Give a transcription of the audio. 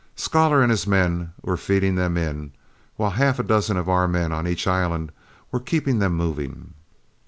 Scholar and his men were feeding them in, while half a dozen of our men on each island were keeping them moving.